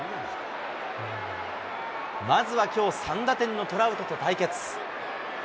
まずはきょう、３打点のトラウトと対決。